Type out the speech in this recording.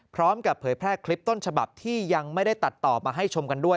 เผยแพร่คลิปต้นฉบับที่ยังไม่ได้ตัดต่อมาให้ชมกันด้วย